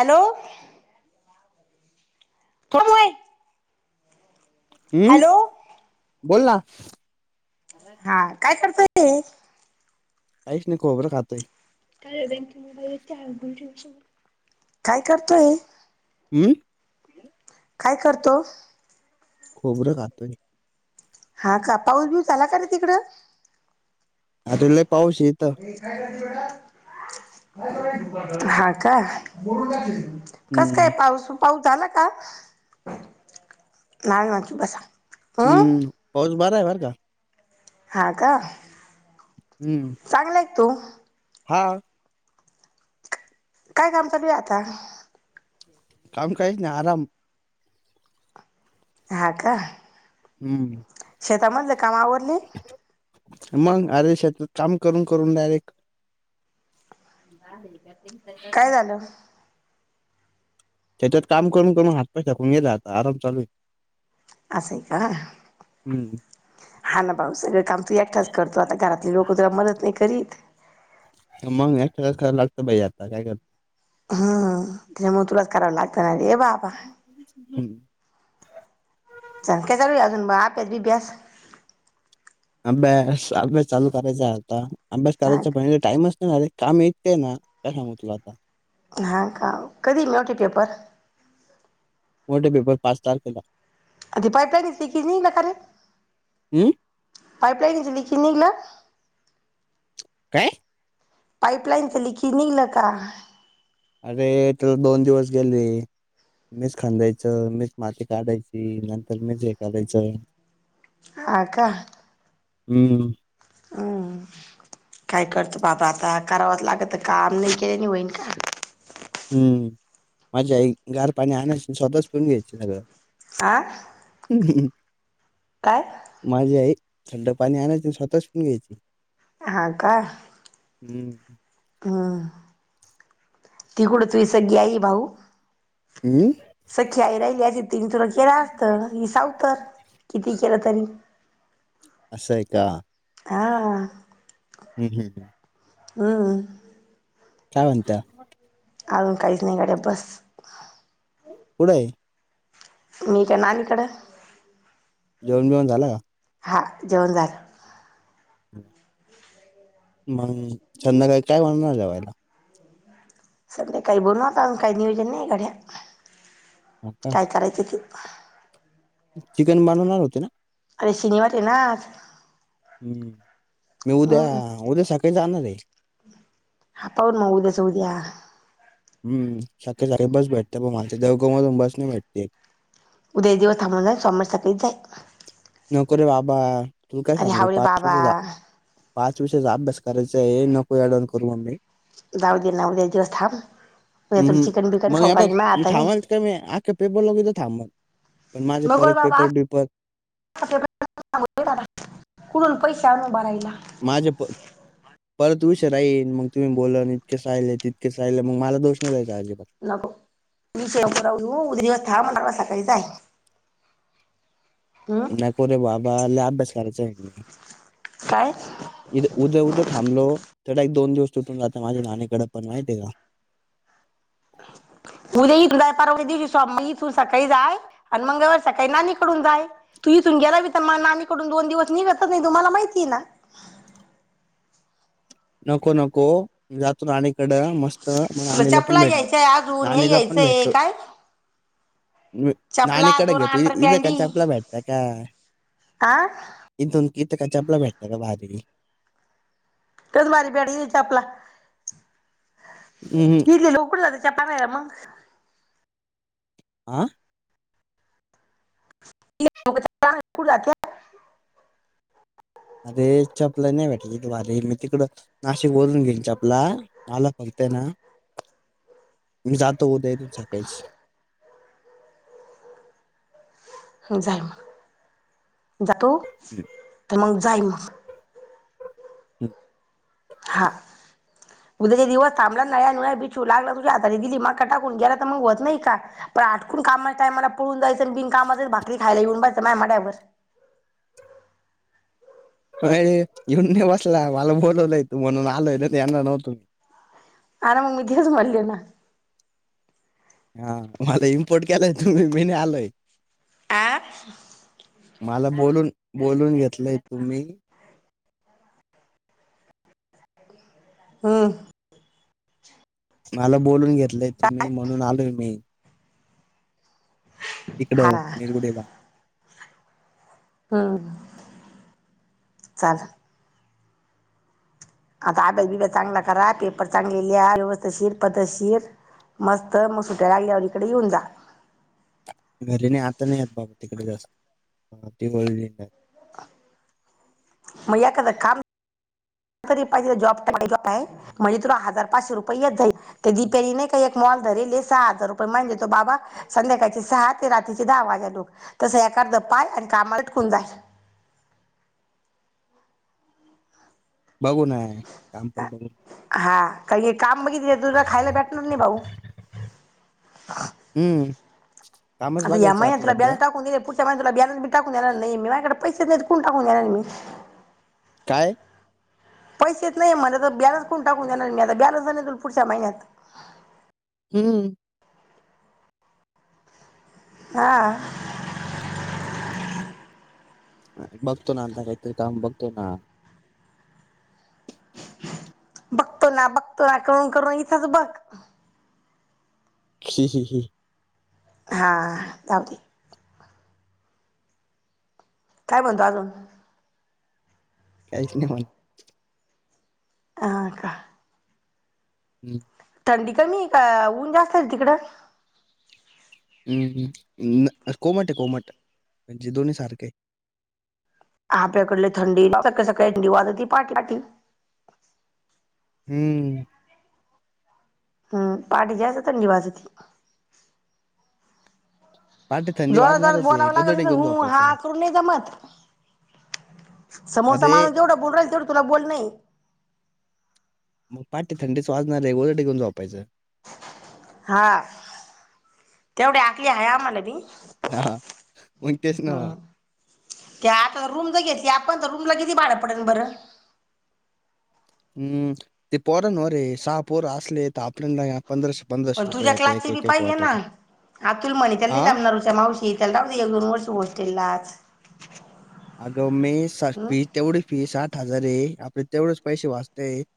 Hello कोन [unintelligible] hello बोलना हां काय करतोय? [inaudible] काईच नाही खोबरं खातंय [unintelligible] काय करतोय अम्म काय करतोस?? खोबरं खातोय हां का पाऊस बीऊस आला कारे तिकडं? आता लई पाऊशे इत हां का कसं काय हम्म पाऊसु पाऊस झाला का नाय [unintelligible] चुप बसा हं हम्म होन बराय बरं का हां का हम्म्म. तो हां काय काम चालूया आता? काम काहीच नाई आराम. हा का? हम्म शेतामधलं काम आवरली? मग अरे शेत काम करून करून डायरेक्ट [unintelligible] काय झालं [unintelligible] त्याच्यात काम करून करून हात पाय थकून गेले आता आराम चालू आहे. असं आहे का? हम्म हा ना, भाऊ सगळ काम तू एकठाच करतो. आता घरातले लोक तुला मदत नाही करीत? [unintelligible] कराय लागतं बाई आता काय करनार? हम् त्यामुळ तुलाच कराव लागत ना रे? ए बाबा हम्म. काय चालूय अजून अभ्यास बीभ्यास? अभ्यास, अभ्यास चालू करेचाय आता. अभ्यास हा करायचा पण हित टाईमच [unintelligible] आग काम इतकं ये ना काय सांगु तुला आता? हा काव कधी मेवटी पेपर? मोठे पेपर पाच तारकेेला. हम्म [unintelligible] निगल काय? पाईपलाईन च लिकेज निगल का? अरे, त्याला दोन दिवस गेले. मीच खांंदायचं, मीच माती, काढायची नंतर मीच हे करायचं हा का? हम्म. हम्म काय करतो, बाबा आता करावाच लागत काम नाही केल्या नि होईन का? हम्म. माझी आई गार पाणी आणायची आणि स्वतःच पीऊन घ्यायची सगळ. आं? [unintelligible] माझी आई थंड पाणी आणायचं, स्वतःच पिऊन घ्यायची. हा का? हम्म हम्म्म. [unintelligible] हम्म? सख्या आई रहील्या तीत तिने तुला केलं असत. हे सावतर किती केलं तरी. सय का? हा हम्म हम् हम् हम् कावत अजून काहीच नाही घरात बस पुढय मीकेणारल इकडे जेवण जेवण झालं का? हां जेवण झाल मग संध्याकाळी काय बनवणार जेवायला? संध्याकाळी बोलू आपण काही नियोजन नाही गड्या हा का काय करायच ते. आहहह चिकन बनवणार होते ना? अरे शनिवार आहे ना आज हम्म मी उद्या हम्म उद्या सकाळी जाणार आहे. [inaudible] हा पाहून उद्याच उद्या हम्म सारखे सारखे बस भेटते पण माझच्या देवघमधून बस नाही भेटते. उदया दिवस थांबवून जा सोमवार सकाळी जाय नकोरे बाबा तुला काय अरे सांगू हावरे बाबा पाचवीचे पाच विषयाचा अभ्यास करायचा हे नको एडावून करू मम्मी जाऊ दे ना उद्या दिवस थांब उद्या तूला हम्म चिकन बिकन मग खाऊ हे बघ घालीन माये मी हाताने थांबाल का मी आख्या पेपर लागू तर थांबाल पण माझे परत पेपर बिपर कुठुन पैसे आणू भरायला माझ्या प परत विषय राईल मग तुम्ही बोला इतकेच राहिल तितकेच राहिले मग मला दोष नाही द्यायचा अजिबात [unintelligible] काय ताय न कोरे बाबा लाग अभ्यास [unintelligible] काय इद उद उदं थांबलो. तेवढ एक दोन दिवस तुटून जात माझ्या नानीकडे पण माहिती आहे का? उद्या इथून परवा दिवशी सोमवारी इथून सकाळी जाय आणि मंगळवारी सकाळी नानीकडून जाय तू इथून गेला की तर मग नानीकडून दोन दिवस निघतच नाही तु मला माहितीय ना. नको नको जातो नानीकडे मस्त मग तुला नाणीला पण चपला भेटलो घ्यायचंय अजून हे नाणीला घ्यायचंय काय? नानी चपला कडे दोन घेतो अंडर इथ काय पॅन्डी चपला भेट का? हा इथुन ईथ काय चपला भेटत का भारी [unintelligible] [unintelligible] लवकर जातात. हम्म. [unintelligible] मंग आं [unintelligible] अबे चपला नाय भेटल्या त भारी ये मी तिकड नाशिक वरून घेईन चपला मला फक्त हेना मी जातो उद्या इतून सकाळीच जाय म जातो हम्म. त मंग जाई मंग [unintelligible] हा उद्याचे दिवस थांबला नाय आणि माया बिछू लागला तुझ्या हातारी दिली मका टाकून गेला तर मंग होत नाई का पण आटकून कामाच्या टायमाला पळून जायचं आणि बिनकामाचच भाकरी खायला येऊन बसायचं माय मड्यावर अ रे येऊन नाही बसला मला बोलवलाय तू म्हणून आलोय नाय तर येणार नव्हतो मी आरा मंग मी तेच म्हणली ना हा मला इम्पोर्ट केलाय तुम्ही मी नाय आलोय. आ मला बोलून बोलून घेतलंय तुम्ही हुं मला बोलून घेतलंय तुम्ही म्हणून आलोय मी हा इकडं निरगुडेला हुं चाला आता अभ्यास बिभ्यास चांगला करा पेपर चांगले लिहा व्यवस्थेशीर पद्धतशीर मस्त मग सुट्या लागल्यावर इकड येऊन जा. घरी नाय आता नाय आ बाबा तिकड जास्त ती वळली नाय. मं एखाद कामं एखादी पाहिजे जॉब जॉब आहे म्हणजे तुला हजार पाचशे रुपये येत जाईन. त्या दिप्याने नाय का एक मॉल धरले सहा हजार रुपये महिन्याला देतो बाबा संध्याकाळचे सहा ते रात्रीचे दहा वाजालो तसा एखांद पाय आणि कामा चिटकून जाय. बघू ना काम पण बघू हा काय हे काम बघितल तुला खायला भेटणार नाही भाऊ हम्म कामच आता या बघायचं महिन्यात तुला सध्या बॅलन्स टाकून दिलय पुढच्या महिन्यात तुला बॅलन्स बी टाकून देणार नाइये मी माया कड पैसे मिळालत कोण टाकून देणार मी काय? पैसेच नाइये तर मझ्या तर बॅलन्स कोण टाकून देणार मी आता बॅलन्स नाही तुला पुढच्या महिन्यात हुं हा [inaudible] अरे बघतो ना आता काहीतरी काम बघतो ना बघतो ना बघतो ना करून करून इथंच बघ ही ही ही हा लाव की काय म्हणतो अजून काहीच नाय म्हन अ का हं थंडी कमी का ऊन जास्त आहेना तिकडं हुं हुं कोमट ये कोमट म्हणजे दोन्ही सारखये. आपल्याकडले थंडी सळी सकाळी थंडी वाजती पाटी पाटी हुं हुं पाठी जास्त असत थंडी वाजती. पाटे थंडी जोराात जात वाजणारच आहे बोलावं गोदडे लागल घेऊन हुं हा झोपायचं करून नाही जमत. समोरचा अरे माणूस जेवढं बोलु राहील तेवढं तुला बोलनये. पहाटे थंडीच वाजणारे गोधडी घेऊन झोपायचं. हा तेवढी आकली हाये आम्हाला बी हा मग तेच ना वा. हम त्या आता रूम ज घेतल्या रूमला किती भाडं पडेल बरं. हम्म ते पोरांवर ये सहा पोर असलेत पण तुझ्या एक क्लासचे बी एक एक पाहिजेल ना वाटायला अतुल म्हणे त्याला नाही हा जमणार [unintelligible] मावशी त्याला राहू दे एक दोन वर्ष होस्टेल लाच. अगं मेस [unintelligible] तेवढी फी सठ हजार ये आपले तेवढेच पैसे वाचता येत.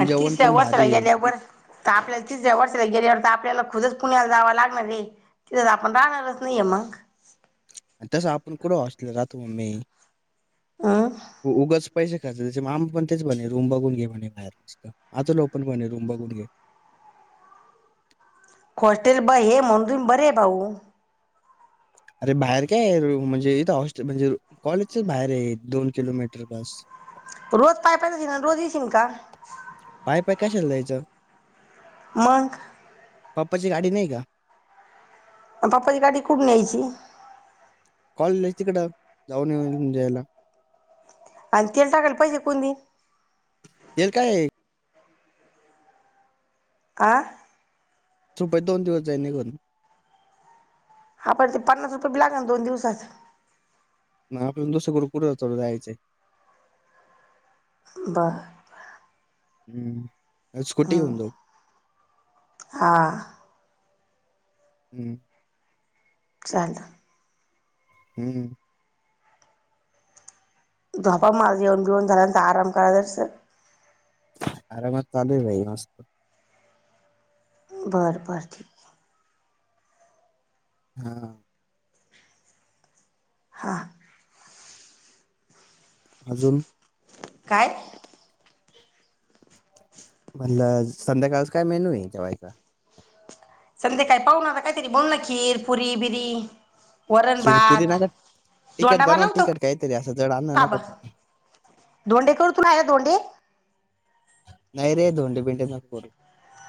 आणि तिसऱ्या वर्षाला गेल्यार आपल्याला तिसऱ्या वर्षाला गेल्यावर तर आपल्याला खुदच पुण्याला जावं लाग णार रे तिथं आपण राहणारच नाहीेये मग. तु मम्मी. हम्म उगाच पैसे खर्च त्याचे मामा पण तेच म्हणे रूम बघून घे म्हणे बाहेर नसत आत लो पण म्हणे रूम बघून घे. हॉस्टेल ब हे म्हणून तुम्ही बरे आहे भाऊ. अरे बाहेर काय म्हणजे इथ हॉस्टेल म्हणजे कॉलेजच बाहेर ये दोन किलोमीटर बस. रोज पाय पाय जाशील रोज ईशीन का. पाय पाय कशाला जायचं मग. पप्पाची गाडी नाही का पाप्पाची गाडी कुठ न्यायची. कॉलेजला तिकडं जाऊन येऊ येऊन घेऊन जायला. आणि तेल टाकायल पैसे कोण देईन. तेल काय आं. सुप्यात दोन दिवस जाईन निघून पर ते पन्नास रुपये [unintelligible] दोन दिवसाचा म आपण दुसकड कुड चल जायचंय. बर. हम्म. स्कूटी घेऊन हम्म जाऊ हा. हम्म. चाल. हम्म. झोपा म जेऊन घेऊन झाल्यानंतर आराम करालास. आराम चालू ये बाई मस्त. बरं बरं ठीक आहे. हा. हा. अजून. काय? म्हटलं संध्याकाळच काय मेनू ये जेवायला. संध्या काय पाहुना काहीतरी बोल ना खीर पुरी बिरी वरण खिरपुरी भात नका तिखट दोंडा बनवा बनवतो तिखट काहीतरी असं जड आणणं नका बाबा बनवू. दोंडे करु तुनाया दोंडे. नाही रे, धोंडे बिंड नको.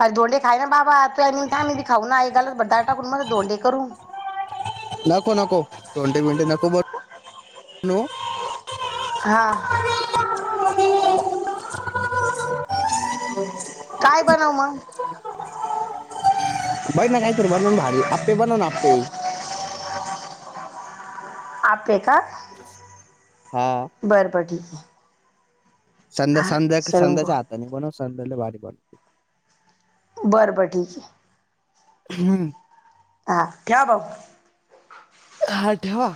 अरे धोंडे खाय ना बाबा, तू बी खाऊ ना गालत भदार टाकून मग धोंडे करून. नको नको धोंडे भिंडे, नको बन नो. हां. हम काय बनव मग? बहिणा काहीतरी बनवलं भारी, आप्पे बनवण आप्पे.. ! आप्पे हा हा बरबर. व [inaudible] संध्या संध्या संध्या, च्या हातात नाही संध्या लय भारी करते. बरं बर ठीक ये. हम् हा ठेव भाऊ. हा ठेवा.